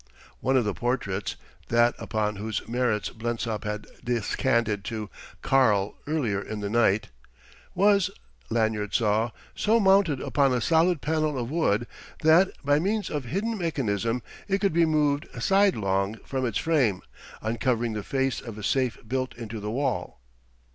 One of the portraits that upon whose merits Blensop had descanted to "Karl" earlier in the night was, Lanyard saw, so mounted upon a solid panel of wood that, by means of hidden mechanism, it could be moved sidelong from its frame, uncovering the face of a safe built into the wall.